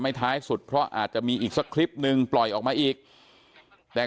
ท้ายสุดเพราะอาจจะมีอีกสักคลิปหนึ่งปล่อยออกมาอีกแต่